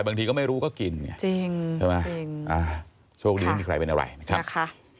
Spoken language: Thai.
แต่บางทีก็ไม่รู้ก็กินช่วงนี้มีใครเป็นอะไรนะครับ